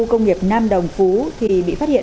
công nghiệp nam đồng phú thì bị phát hiện